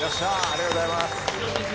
ありがとうございます。